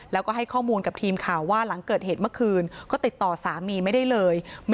แล้วก็ให้ข้อมูลกับทีมข่าวว่าหลังเกิดเหตุเมื่อคืนก็ติดต่อสามีไม่ได้เลย